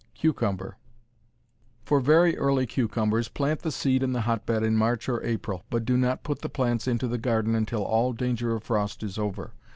Cucumber For very early cucumbers plant the seed in the hotbed in March or April, but do not put the plants into the garden until all danger of frost is over.